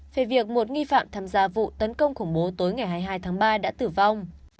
về việc một nghi phạm tham gia vụ tấn công khủng bố tối ngày hai mươi hai tháng ba đã tử vong